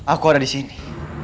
aku ada disini